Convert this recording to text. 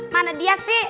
mana dia sih